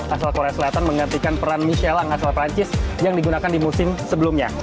masalah korea selatan menggantikan peran michelang hasil perancis yang digunakan di musim sebelumnya